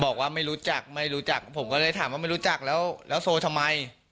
บอกว่าไม่รู้จักไม่รู้จักผมก็เลยถามว่าไม่รู้จักแล้วแล้วโซทำไม